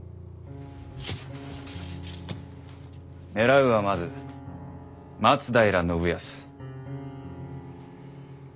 狙うはまず松平信康。